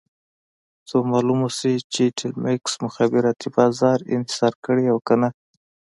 څو معلومه شي چې ټیلمکس مخابراتي بازار انحصار کړی او که نه.